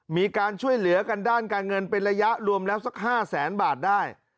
มีการช่วยเหลือกันด้านการเงินเป็นระยะรวมแล้วสัก๕แสนบาทได้